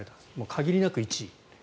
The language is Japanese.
限りなく１位。